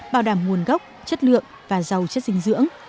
bảo đảm nguồn gốc chất lượng và giàu chất dinh dưỡng